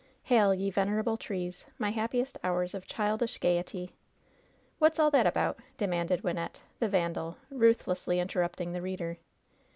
— ^hail! ye venerable trees! My happiest hours of childish gay ety '" "What's all that about?" demanded Wynnette, the vandal, ruthlessly interrupting the reader.